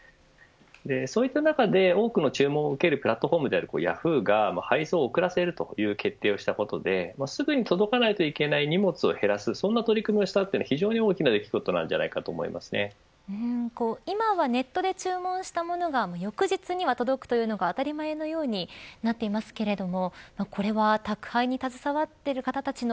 そういった中で多くの注文を受けるプラットフォームであるヤフーが配送を遅らせるという決定をしたことですぐに届かないといけない荷物を減らす取り組みをしたというのは非常に大きな今はネットで注文したものが翌日には届くというのが当たり前のようになっていますがこれは宅配に携わる方たちの